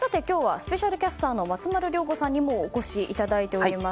スペシャルキャスターの松丸亮吾さんにもお越しいただいております。